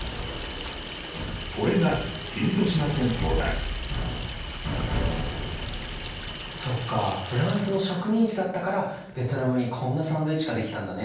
これがそっかフランスの植民地だったからベトナムにこんなサンドイッチができたんだね。